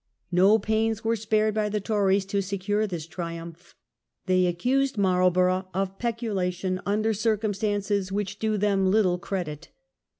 No pains were spared by the Tories to secure this triumph. They accused Marlborough of peculation under circumstances which do them little credit.